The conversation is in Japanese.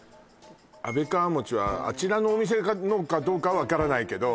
安倍川もちはあちらのお店のかどうか分からないけど